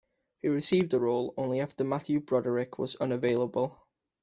He received the role only after Matthew Broderick was unavailable.